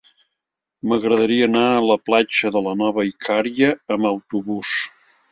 M'agradaria anar a la platja de la Nova Icària amb autobús.